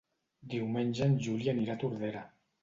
Diumenge en Juli anirà a Tordera.